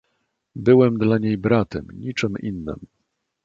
"Byłem dla niej bratem, niczem innem."